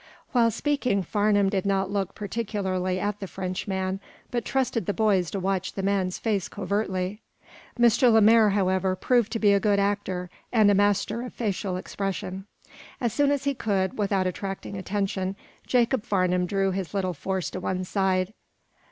While speaking Farnum did not look particularly at the Frenchman, but trusted to the boys to watch the man's face covertly. M. Lemaire, however, proved to be a good actor and a master of facial expression. As soon as he could, without attracting attention, Jacob Farnum drew his little force to one side.